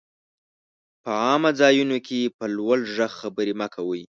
په عامه ځايونو کي په لوړ ږغ خبري مه کوئ!